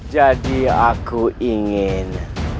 jadi aku ingin